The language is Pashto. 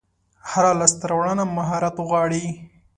هره لاسته راوړنه مهارت غواړي.